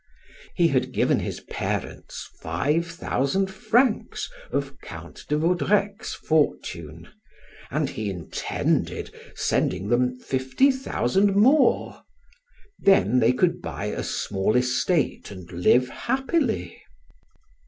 He had given his parents five thousand francs of Count de Vaudrec's fortune and he intended sending them fifty thousand more; then they could buy a small estate and live happily.